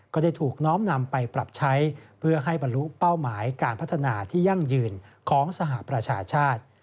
ก็ได้ถูกน้อมนำไปปรับใช้เพื่อให้บรรลุเป้าหมายการพัฒนาที่ยั่งยืนของสหประชาชาติ